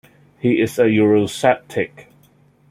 He is a Eurosceptic.